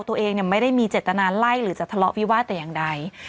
ตัวเองไม่ได้มีเจตนาไล่หรือจะทะเลาะวิวาสแต่อย่างใด